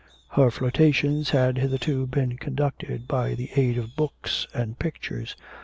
Her flirtations had hitherto been conducted by the aid of books and pictures.